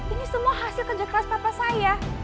ini semua hasil kerja keras bapak saya